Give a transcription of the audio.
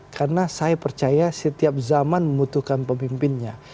karena saya percaya setiap zaman membutuhkan pemimpinnya